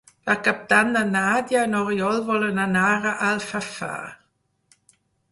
Per Cap d'Any na Nàdia i n'Oriol volen anar a Alfafar.